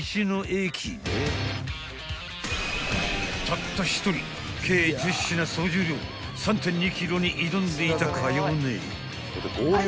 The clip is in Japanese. ［たった１人計１０品総重量３．２ｋｇに挑んでいたかよ姉］